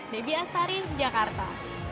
debbie astari jakarta